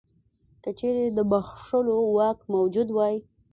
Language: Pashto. که چیرې د بخښلو واک موجود وای.